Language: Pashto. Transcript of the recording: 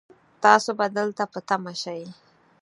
تاسو به دلته په تمه شئ